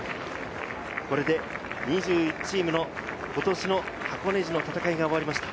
これで２１チームの今年の箱根路の戦いが終わりました。